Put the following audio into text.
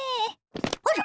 あら！